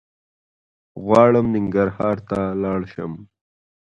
غواړم ننګرهار ته لاړ شم